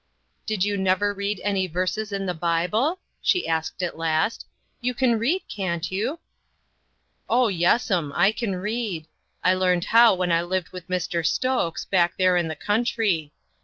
" Did you never read any verses in the Bible ?" she asked at last. " You can read, can't you?" " Oh, yes'm, I can read. I learned how when I lived with Mr. Stokes, back there in the country.